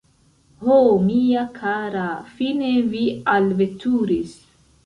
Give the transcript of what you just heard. Ho, mia kara, fine vi alveturis!